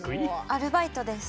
アルバイトです。